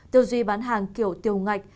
tiêu duy bán hàng kiểu tiêu ngạch